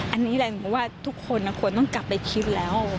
อันนี้แหละหนูว่าทุกคนควรต้องกลับไปคิดแล้ว